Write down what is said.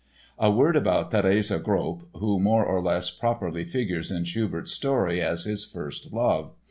A word about Therese Grob, who more or less properly figures in Schubert's story as his first love.